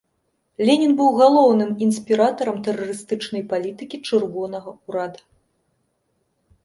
Ленін быў галоўным інспіратарам тэрарыстычнай палітыкі чырвонага ўрада.